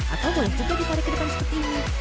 atau boleh juga dipadai ke depan seperti ini